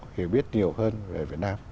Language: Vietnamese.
hiểu biết nhiều hơn về việt nam